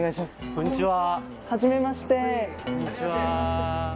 こんにちは。